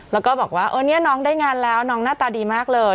แล้วก็บอกว่าเออเนี่ยน้องได้งานแล้วน้องหน้าตาดีมากเลย